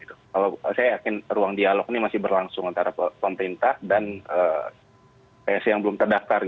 kalau saya yakin ruang dialog ini masih berlangsung antara pemerintah dan psi yang belum terdaftar